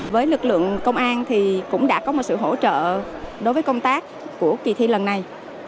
với lực lượng công an thì cũng đã có một sự hỗ trợ đối với công tác của kỳ thi lần này